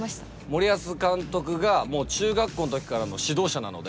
森保監督がもう中学校の時からの指導者なので。